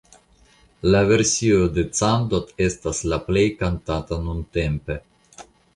La versio de Candot estas la plej kantata nuntempe.